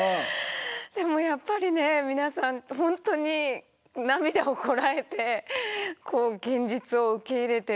でもやっぱりね皆さん本当に涙をこらえて現実を受け入れてる。